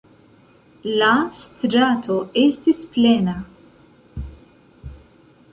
La strato estis plena.